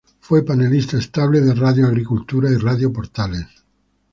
Fue panelista estable de Radio Agricultura y Radio Portales.